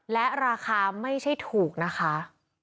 และราคาไม่ใช่ถูกนะคะ